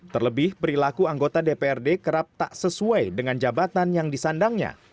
terlebih perilaku anggota dprd kerap tak sesuai dengan jabatan yang disandangnya